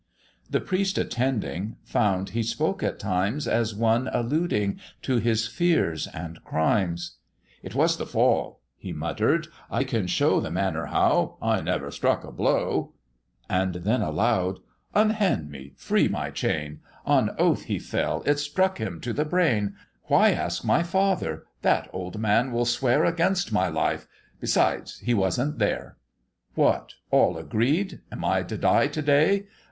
The Priest attending, found he spoke at times As one alluding to his fears and crimes; "It was the fall," he mutter'd, "I can show The manner how, I never struck a blow:" And then aloud, "Unhand me, free my chain; On oath he fell it struck him to the brain: Why ask my father? that old man will swear Against my life; besides, he wasn't there: What, all agreed? Am I to die to day?